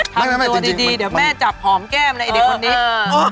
ทำตัวดีเดี๋ยวแม่จับหอมแก้มเลยไอ้เด็กคนนี้